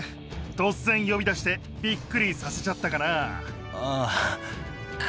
突然呼び出してびっくりさせちゃったかな。